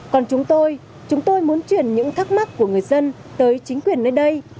còn chúng tôi chúng tôi muốn truyền những thắc mắc của người dân tới chính quyền nơi đây